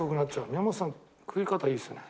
宮本さん食い方いいですね。